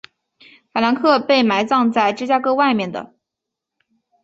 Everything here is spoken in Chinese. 法兰克被埋葬在芝加哥外面的。